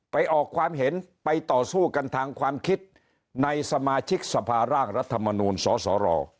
ออกความเห็นไปต่อสู้กันทางความคิดในสมาชิกสภาร่างรัฐมนูลสสร